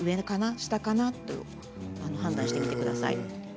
下かな？と判断してみてください。